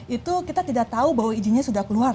itu kita tidak tahu bahwa izinnya sudah keluar